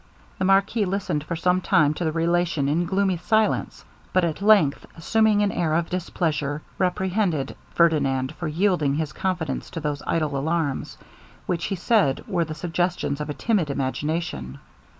The marquis listened for some time to the relation in gloomy silence, but at length assuming an air of displeasure, reprehended Ferdinand for yielding his confidence to those idle alarms, which he said were the suggestions of a timid imagination.